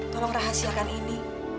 tolong rahasiakan ini